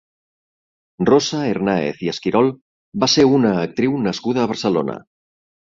Rosa Hernáez i Esquirol va ser una actriu nascuda a Barcelona.